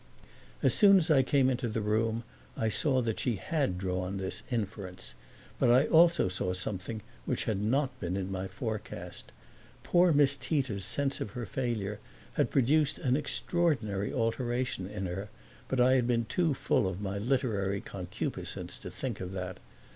As soon as I came into the room I saw that she had drawn this inference, but I also saw something which had not been in my forecast. Poor Miss Tita's sense of her failure had produced an extraordinary alteration in her, but I had been too full of my literary concupiscence to think of that.